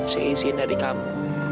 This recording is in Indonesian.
seinsin dari kamu